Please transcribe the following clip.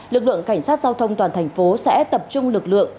lực lượng cảnh sát giao thông toàn thành phố sẽ tập trung lực lượng